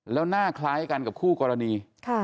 แล้วหน้าคล้ายกันกับคู่กรณี